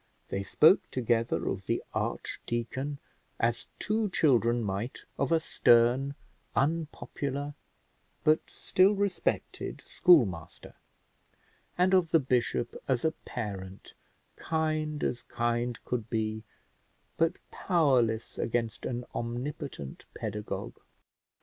They spoke together of the archdeacon, as two children might of a stern, unpopular, but still respected schoolmaster, and of the bishop as a parent kind as kind could be, but powerless against an omnipotent pedagogue.